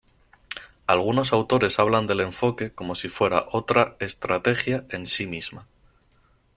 Algunos autores hablan del "enfoque" como si fuera otra estrategia en sí misma.